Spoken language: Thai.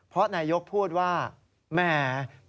เพราะนายกพูดว่าแหม